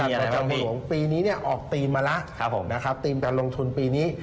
มีอะไรครับพี่ปีนี้ออกทีมมาแล้วทีมการลงทุนปีนี้